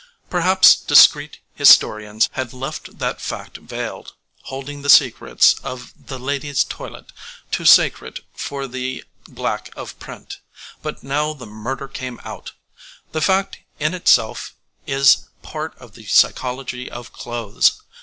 Perhaps discreet historians had left that fact veiled, holding the secrets of the lady's toilet too sacred for the black of print; but now the murder came out. The fact in itself is part of the psychology of clothes.